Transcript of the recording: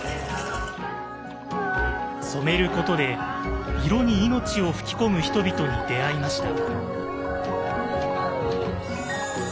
「染めること」で色に命を吹き込む人々に出会いました。